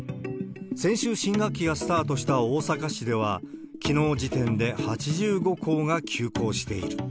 先週新学期がスタートした大阪市では、きのう時点で８５校が休校している。